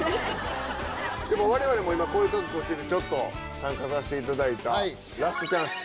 でも我々も今こういう格好しててちょっと参加させていただいたラストチャンス。